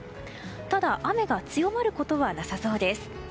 ただ、雨が強まることはなさそうです。